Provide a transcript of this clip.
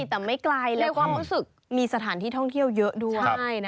แต่ไม่ไกลเลยความรู้สึกมีสถานที่ท่องเที่ยวเยอะด้วย